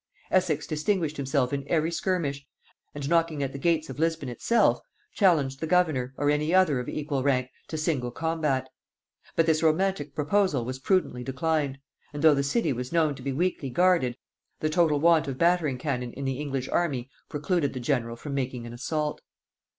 Essex distinguished himself in every skirmish; and, knocking at the gates of Lisbon itself, challenged the governor, or any other of equal rank, to single combat: but this romantic proposal was prudently declined; and though the city was known to be weakly guarded, the total want of battering cannon in the English army precluded the general from making an assault.